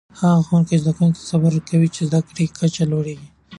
هغه ښوونکي چې زده کوونکو ته صبر کوي، د زده کړې کچه لوړېږي.